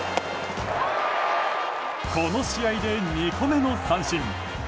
この試合で２個目の三振。